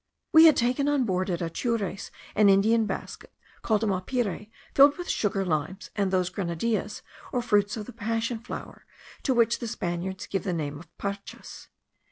We had taken on board at Atures an Indian basket called a mapire, filled with sugar, limes, and those grenadillas, or fruits of the passion flower, to which the Spaniards give the name of parchas.